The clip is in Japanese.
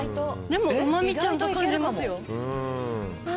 でも、うまみちゃんと感じますよ。